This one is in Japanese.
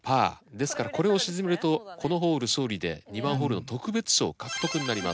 ですからこれを沈めるとこのホール勝利で２番ホールの特別賞獲得になります。